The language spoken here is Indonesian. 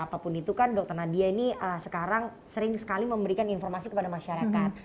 apapun itu kan dokter nadia ini sekarang sering sekali memberikan informasi kepada masyarakat